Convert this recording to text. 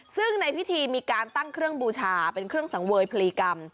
ซึ่งในพิธีมีการตั้งเครื่องบูชาเป็นเครื่องสังเวยพลีกรรม